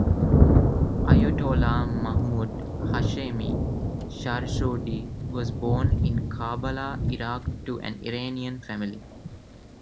Ayatollah Mahmoud Hashemi Shahroudi was born in Karbala, Iraq to an Iranian family.